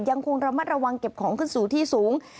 ยังคงระมัดระวังเก็บของขึ้นสู่ที่สูง